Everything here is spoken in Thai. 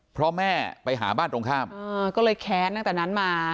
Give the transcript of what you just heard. เพราะแม่ไปหาบ้านตรงข้ามก็เลยแค้นตั้งแต่นั้นมา